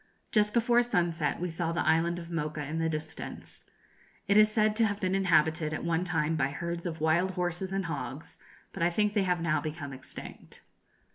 Just before sunset we saw the island of Mocha in the distance. It is said to have been inhabited at one time by herds of wild horses and hogs, but I think they have now become extinct.